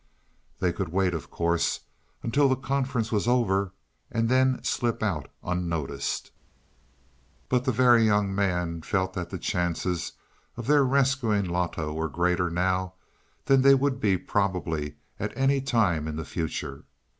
They could wait, of course, until the conference was over, and then slip out unnoticed. But the Very Young Man felt that the chances of their rescuing Loto were greater now than they would be probably at any time in the future.